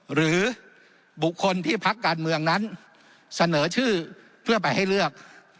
หรือบุคคลที่พักการเมืองนั้นเสนอชื่อเพื่อไปให้เลือก